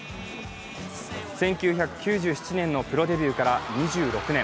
１９９７年のプロデビューから２６年。